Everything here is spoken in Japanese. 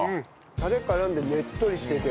タレ絡んでねっとりしてて。